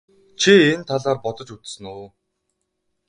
Чи энэ талаар бодож үзсэн үү?